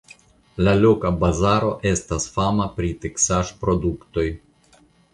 La loka bazaro estas fama pri teksaĵproduktoj.